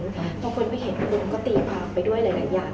พอคนไปเห็นมุมก็ตีความไปด้วยหลายอย่าง